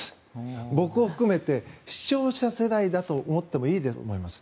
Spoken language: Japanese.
僕を含めて視聴者世代だと思ってもいいと思います。